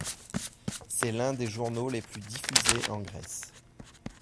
C’est l’un des journaux les plus diffusés en Grèce.